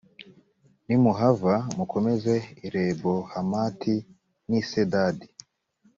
nimuhava, mukomeze i lebohamati, n’i sedadi